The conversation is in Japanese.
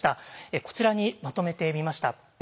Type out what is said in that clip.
こちらにまとめてみました。